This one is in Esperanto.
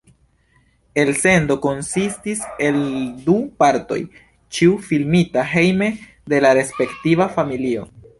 La elsendo konsistis el du partoj, ĉiu filmita hejme de la respektiva familio.